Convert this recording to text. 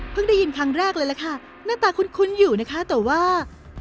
เพิ่งได้ยินครั้งแรกเลยนะคะหน้าตาคุณคุ้นอยู่นะคะแต่ว่า